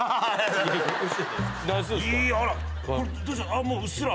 あっもううっすら。